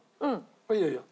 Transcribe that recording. いいよいいよ。